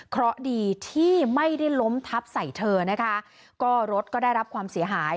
เพราะดีที่ไม่ได้ล้มทับใส่เธอนะคะก็รถก็ได้รับความเสียหาย